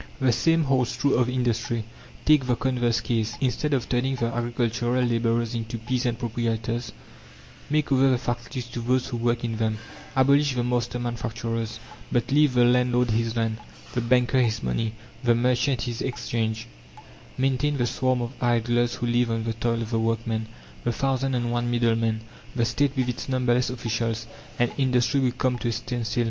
The same holds true of industry. Take the converse case: instead of turning the agricultural labourers into peasant proprietors, make over the factories to those who work in them. Abolish the master manufacturers, but leave the landlord his land, the banker his money, the merchant his Exchange; maintain the swarm of idlers who live on the toil of the workmen, the thousand and one middlemen, the State with its numberless officials, and industry would come to a standstill.